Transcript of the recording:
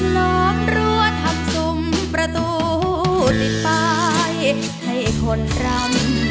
ล้อมรั้วทับซุ้มประตูติดป้ายให้คนรำ